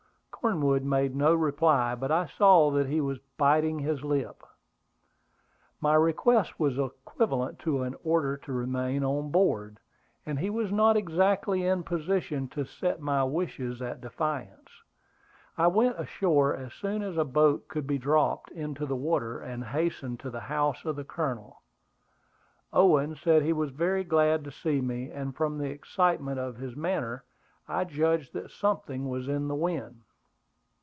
Cornwood made no reply; but I saw that he was biting his lip. My request was equivalent to an order to remain on board, and he was not exactly in position to set my wishes at defiance. I went ashore as soon as a boat could be dropped into the water, and hastened to the house of the Colonel. Owen said he was very glad to see me; and from the excitement of his manner, I judged that something was in the wind.